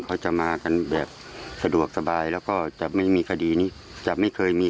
เขาจะมากันแบบสะดวกสบายแล้วก็จะไม่มีคดีนี้จะไม่เคยมี